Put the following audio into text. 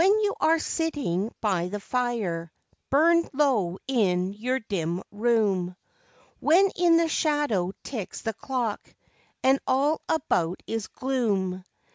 /// YOU are sitting by the fire, burned low in your dim room; When in the shadow ticks the clock, and all about is gloom.